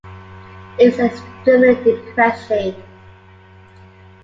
It's extremely depressing.